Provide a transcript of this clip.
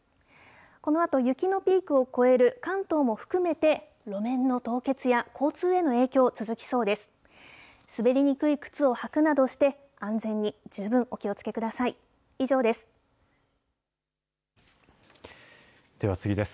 このあと雪のピークを越える関東も含めて、路面の凍結や交通への影響、続きそうです。